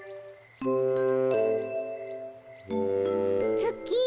ツッキー